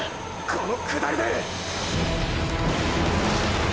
この下りで！！